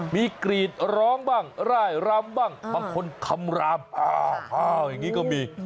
มีกรีดร้องบ้างร่ายรำบ้างบางคนคำรามอ้าวอย่างนี้ก็มี